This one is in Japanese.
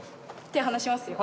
手離しますよ。